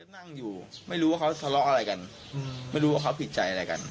นั่งอยู่ไม่รู้ว่าเขาทะเลาะอะไรกันไม่รู้ว่าเขาผิดใจอะไรกัน